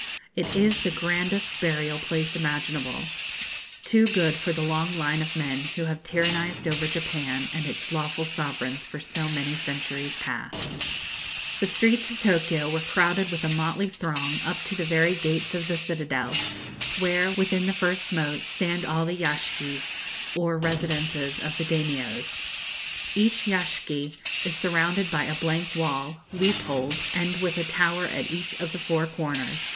It is the grandest burial place imaginable; too good for the long line of men who have tyrannised over Japan and its lawful sovereigns for so many centuries past. The streets of Tokio were crowded with a motley throng up to the very gates of the citadel, where, within the first moat, stand all the yashgis, or residences of the Daimios. Each yashgi is surrounded by a blank wall, loopholed, and with a tower at each of the four corners.